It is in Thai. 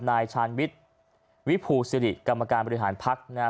นายชาณวิสวิภูสริกรรมการบริหารภักดิ์